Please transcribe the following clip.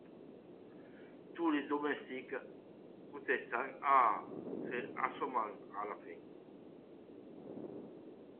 Tous Les Domestiques , protestant. — Ah ! c’est assommant à la fin !…